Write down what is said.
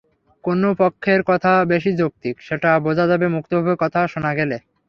কোন পক্ষের কথা বেশি যৌক্তিক, সেটা বোঝা যাবে মুক্তভাবে কথা শোনা গেলে।